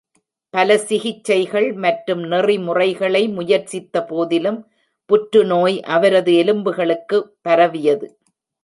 பல சிகிச்சைகள் மற்றும் நெறிமுறைகளை முயற்சித்த போதிலும், புற்றுநோய் அவரது எலும்புகளுக்கு பரவியது.